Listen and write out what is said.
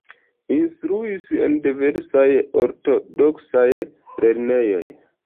Instruis en diversaj ortodoksaj lernejoj.